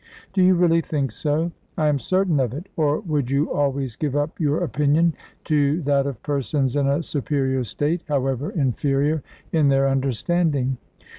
"Do you really think so?" "I am certain of it; or would you always give up your opinion to that of persons in a superior state, however inferior in their understanding?